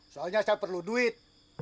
soalnya saya perlu duit